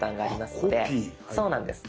そうなんです。